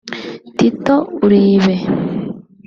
Tito Uribe